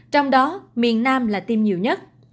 trong đó miền nam là tiêm nhiều nhất